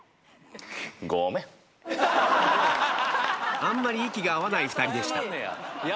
あんまり息が合わない２人でした